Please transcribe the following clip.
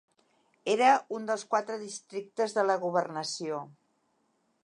Era un dels quatre districtes de la governació.